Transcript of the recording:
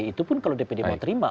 itu pun kalau dpd mau terima